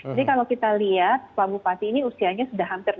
jadi kalau kita lihat bapak bupati ini usianya sudah hampir enam puluh